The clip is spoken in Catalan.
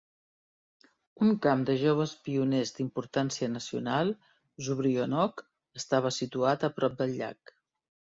Un camp de joves pioners d'importància nacional, "Zubryonok", estava situat a prop del llac.